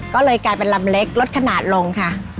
ก็เลยกลายเป็นลำเล็กลดขนาดลงค่ะ